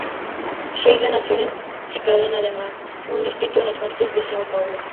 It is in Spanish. Sheila nació en Cidade Ademar, un distrito en las afueras de São Paulo.